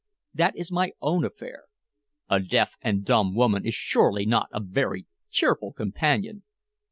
"That is my own affair." "A deaf and dumb woman is surely not a very cheerful companion!"